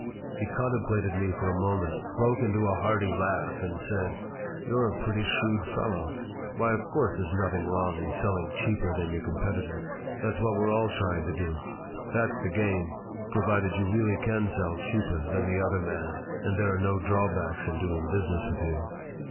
He contemplated me for a moment, broke into a hearty laugh, and said: "You're a pretty shrewd fellow. Why, of course, there's nothing wrong in selling cheaper than your competitor. That's what we're all trying to do. That's the game, provided you really can sell cheaper than the other man, and there are no other drawbacks in doing business with you."